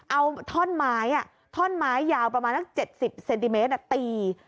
เอาท่อนไม้ท่อนไม้ยาวประมาณนัก๗๐เซนติเมตรตี